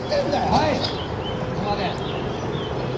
はいそこまで！